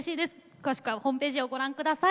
詳しくはホームページをご覧ください。